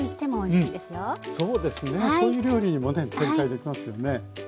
そういう料理にもね展開できますよね。